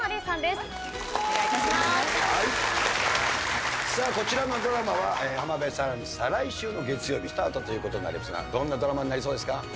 さあこちらのドラマは浜辺さん再来週の月曜日スタートということなんですがどんなドラマになりそうですか？